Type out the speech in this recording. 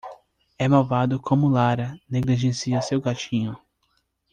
É malvado como Lara negligencia seu gatinho.